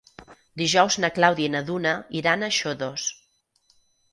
Dijous na Clàudia i na Duna iran a Xodos.